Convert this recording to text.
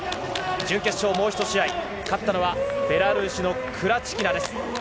準決勝もう１試合、勝ったのは、ベラルーシのクラチキナです。